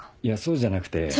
いやそうじゃなくて。